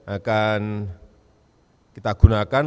akan kita gunakan